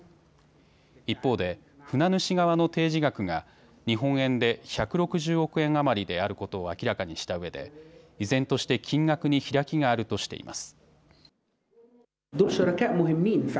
一方で船主側の提示額が日本円で１６０億円余りであることを明らかにしたうえで依然として金額に開きがあるとしています。